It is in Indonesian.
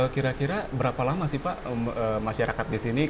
kira kira berapa lama sih pak masyarakat di sini